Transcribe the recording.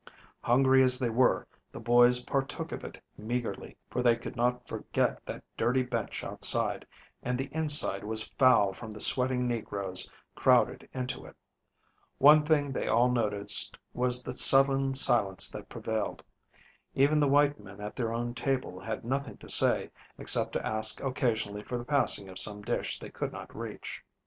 Hungry as they were, the boys partook of it meagerly, for they could not forget that dirty bench outside, and the inside was foul from the sweating negroes crowded into it. One thing they all noticed was the sullen silence that prevailed. Even the white men at their own table had nothing to say, except to ask occasionally for the passing of some dish they could not reach.